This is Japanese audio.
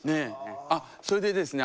あっそれでですね